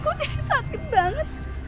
kau pinggangku jadi sakit banget